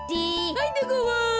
はいでごわす。